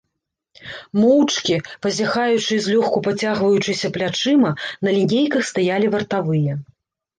Моўчкі, пазяхаючы і злёгку пацягваючыся плячыма, на лінейках стаялі вартавыя.